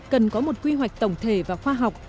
cần có một quy hoạch tổng thể và khoa học